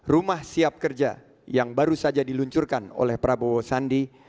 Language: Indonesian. rumah siap kerja yang baru saja diluncurkan oleh prabowo sandi